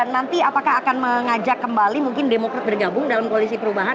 nanti apakah akan mengajak kembali mungkin demokrat bergabung dalam koalisi perubahan